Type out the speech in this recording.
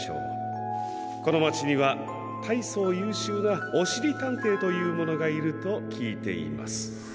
このまちにはたいそうゆうしゅうなおしりたんていというものがいるときいています。